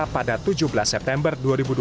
pada tujuh belas september dua ribu dua puluh